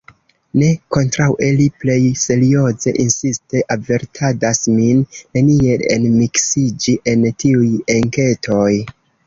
Ne, kontraŭe, li plej serioze, insiste avertadas min, neniel enmiksiĝi en tiuj enketoj.